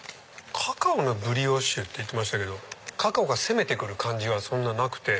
カカオのブリオッシュって言ってましたけどカカオが攻めて来る感じはなくて。